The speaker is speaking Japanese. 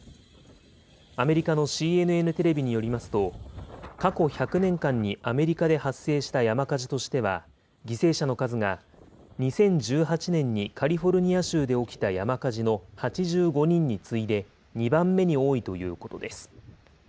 アメリカのＣＮＮテレビによりますと、過去１００年間にアメリカで発生した山火事としては、犠牲者の数が、２０１８年にカリフォルニア州で起きた山火事の８５人に次いで２番目に多いということです。